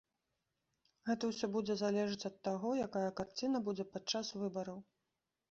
Гэта ўсё будзе залежаць ад таго, якая карціна будзе падчас выбараў.